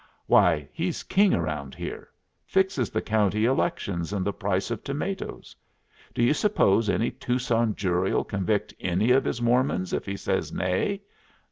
Why, he's king round here. Fixes the county elections and the price of tomatoes. Do you suppose any Tucson jury'll convict any of his Mormons if he says nay?